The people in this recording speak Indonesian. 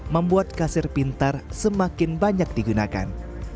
membuat kasir pintar semakin banyak digunakan